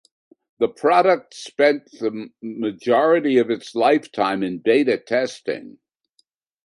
The product spent the majority of its lifetime in beta testing.